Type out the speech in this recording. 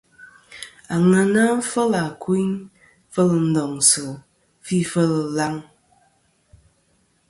Aŋena fel àkuyn, fel ndoŋsɨ̀, fi fel ɨlaŋ.